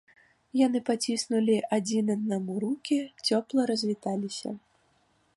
Яны паціснулі адзін аднаму рукі, цёпла развіталіся.